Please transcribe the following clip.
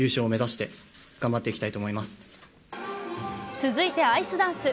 続いて、アイスダンス。